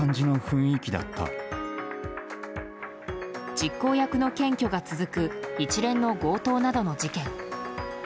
実行役の検挙が続く一連の強盗などの事件。